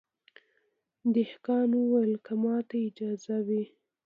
دهقان وویل که ماته اجازه وي